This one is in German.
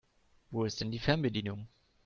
Wo ist denn die Fernbedienung?